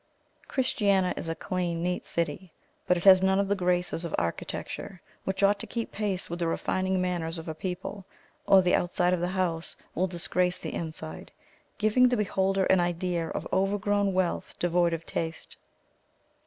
Christiania is a clean, neat city; but it has none of the graces of architecture, which ought to keep pace with the refining manners of a people or the outside of the house will disgrace the inside, giving the beholder an idea of overgrown wealth devoid of taste.